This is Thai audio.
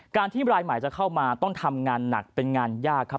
ที่รายใหม่จะเข้ามาต้องทำงานหนักเป็นงานยากครับ